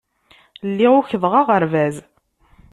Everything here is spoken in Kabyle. Lliɣ ukḍeɣ aɣerbaz.